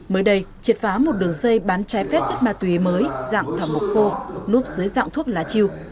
mới đây triệt phá một đường xây bán trái phép chất ma túy mới dạng thẩm mục khô lúp dưới dạng thuốc lá chiêu